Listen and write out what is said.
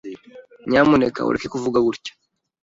Nyamuneka ureke kuvuga gutya.